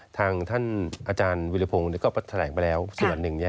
ทางท่านอาจารย์วิรพงศ์ก็แถลงไปแล้วส่วนหนึ่ง